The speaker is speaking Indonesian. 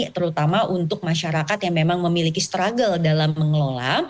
terutama untuk masyarakat yang memang memiliki struggle dalam mengelola